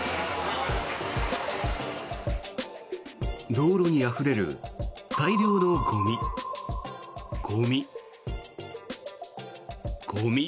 道路にあふれる大量のゴミ、ゴミ、ゴミ。